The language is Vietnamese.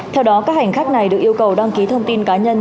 theo đó các hành khách này được yêu cầu đăng ký thông tin cá nhân